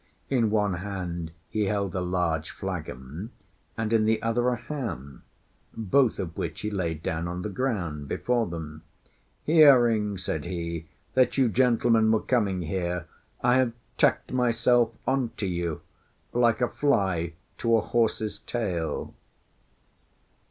In one hand he held a large flagon, and in the other a ham, both of which he laid down on the ground before them. "Hearing," said he, "that you gentlemen were coming here, I have tacked myself on to you, like a fly to a horse's tail."